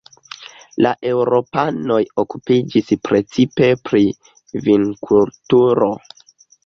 La eŭropanoj okupiĝis precipe pri vinkulturo.